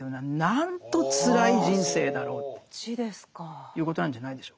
そっちですか。ということなんじゃないでしょうか。